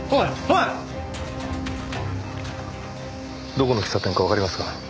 どこの喫茶店かわかりますか？